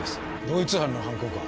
同一犯の犯行か。